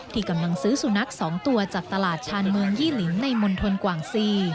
ที่กำลังซื้อสุนัข๒ตัวจากตลาดชาญเมืองยี่หลินในมณฑลกว่างซี